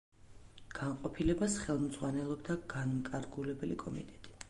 განყოფილებას ხელმძღვანელობდა განმკარგულებელი კომიტეტი.